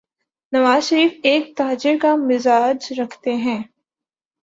نوازشریف ایک تاجر کا مزاج رکھتے ہیں۔